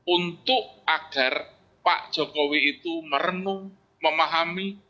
untuk agar pak jokowi itu merenung memahami